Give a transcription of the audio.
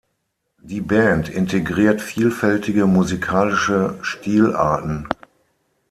Die Band integriert vielfältige musikalische Stilarten.